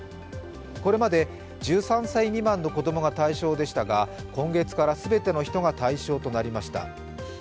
これまで１３歳未満の子供が対象でしたが、今月から全ての人が対象となりました。